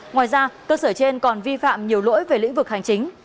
ngoài ra cơ sở trên còn vi phạm nhiều lỗi về lĩnh vực hành chính